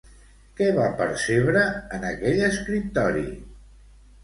Què va percebre en aquell escriptori?